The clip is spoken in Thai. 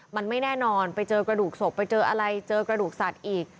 มันไม่แน่นอนไปเจอกระดูกศพไปเจออะไรเจอกระดูกสัตว์อีก